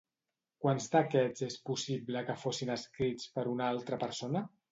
Quants d'aquests és possible que fossin escrits per una altra persona?